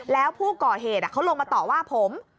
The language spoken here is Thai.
แล้วผู้ก่อเหตุเขาลงมาต่อว่าผม